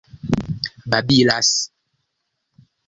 babilas